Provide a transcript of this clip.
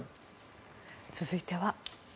続いては。